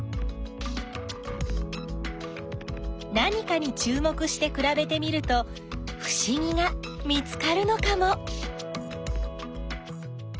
何かにちゅう目してくらべてみるとふしぎが見つかるのかも！？